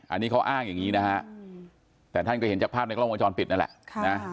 อันนี้เขาอ้างอย่างนี้นะฮะแต่ท่านก็เห็นจากภาพในกล้องวงจรปิดนั่นแหละ